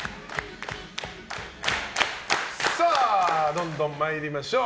どんどん参りましょう。